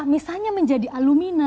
misalnya menjadi alumina